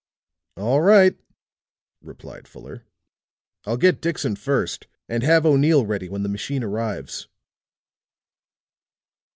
"All right," replied Fuller. "I'll get Dixon first, and have O'Neill ready when the machine arrives."